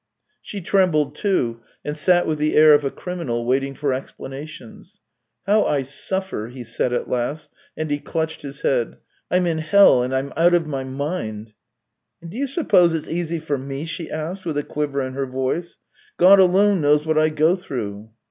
She trembled, too, and sat with the air of a criminal waiting for explanations. " How I suffer !" he said at last, and he clutched his head. " I'm in hell, and I'm out of my mind." "And do you suppose it's easy for me ?" she asked, with a quiver in her voice. " God alone knows what I go through."